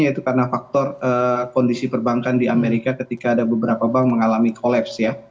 yaitu karena faktor kondisi perbankan di amerika ketika ada beberapa bank mengalami kolapse ya